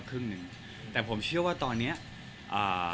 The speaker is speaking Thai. ครอบครัวมีน้องเลยก็คงจะอยู่บ้านแล้วก็เลี้ยงลูกให้ดีที่สุดค่ะ